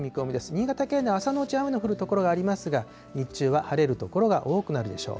新潟県内、朝のうち雨の降る所がありますが、日中は晴れる所が多くなるでしょう。